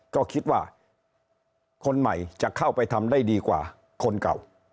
ก็คิดว่าคนใหม่จะเข้าไปทำได้ดีกว่าคนเก่า